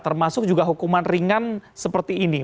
termasuk juga hukuman ringan seperti ini